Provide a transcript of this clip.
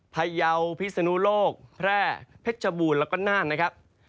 พยาวพิศนุโลกแพร่เพชรบูรณ์แล้วก็น่านนะครับ